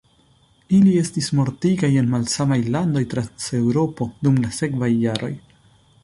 Ili estis mortigitaj en malsamaj landoj trans Eŭropo, dum la sekvaj jaroj.